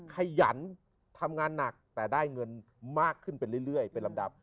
ขยันทำงานหนักแต่ได้เงินมากขึ้นไปเรื่อยเป็นลำดับ